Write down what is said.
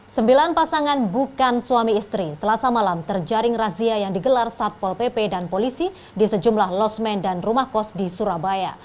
sembilan pasangan bukan suami istri selasa malam terjaring razia yang digelar satpol pp dan polisi di sejumlah losmen dan rumah kos di surabaya